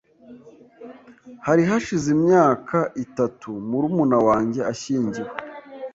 Hari hashize imyaka itatu murumuna wanjye ashyingiwe.